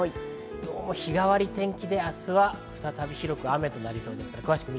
どうも日替わり天気で明日は再び広く雨となりそうです。